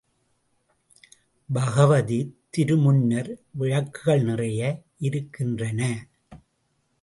பகவதி திருமுன்னர் விளக்குகள் நிறைய இருக்கின்றன.